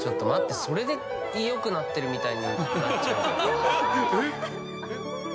それで良くなってるみたいに。